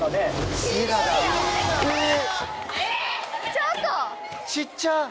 ちょっと！